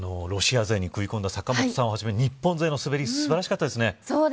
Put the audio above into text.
ロシア勢に食い込んだ坂本さんは日本勢の滑り素晴らしかったですね。